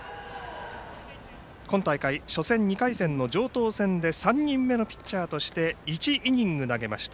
今大会、初戦、２回戦の城東戦で３人目のピッチャーとして１イニング投げました。